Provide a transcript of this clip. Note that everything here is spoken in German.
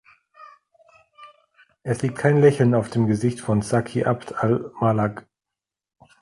Es liegt kein Lächeln auf dem Gesicht von Zaki 'Abd al-Malak.